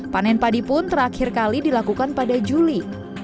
panen padi pun terakhir kali dilakukan pada juli